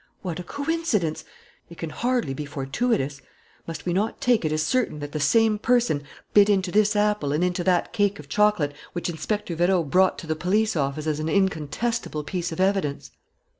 What a coincidence! It can hardly be fortuitous. Must we not take it as certain that the same person bit into this apple and into that cake of chocolate which Inspector Vérot brought to the police office as an incontestable piece of evidence?"